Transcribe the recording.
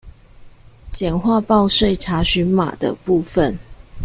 簡化報稅查詢碼的部分